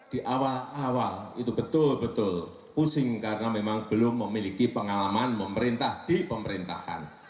di awal awal itu betul betul pusing karena memang belum memiliki pengalaman memerintah di pemerintahan